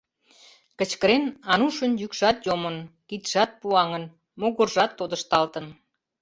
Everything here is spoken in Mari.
Кычкырен, Анушын йӱкшат йомын, кидшат пуаҥын, могыржат тодышталтын.